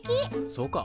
そうか？